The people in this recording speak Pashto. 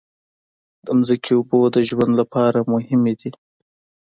د ځمکې اوبو د ژوند لپاره مهمې دي.